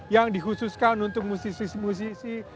yang dikhususkan untuk musisi musisi